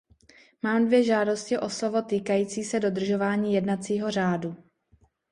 Mám dvě žádosti o slovo týkající se dodržování jednacího řádu.